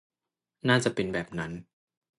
น่าจะเป็นแบบนั้น